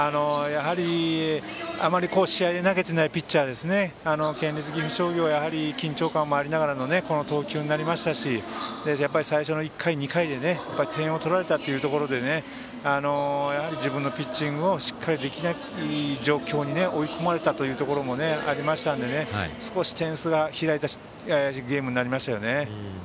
あまり試合で投げていないピッチャーで県立岐阜商業は緊張感もありながらの投球になりましたし最初の１回、２回で点を取られたということで自分のピッチングをしっかりできない状況に追い込まれたというところもありましたので少し点差が開いたゲームになりましたよね。